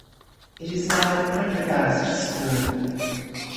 It is now Prendergast School.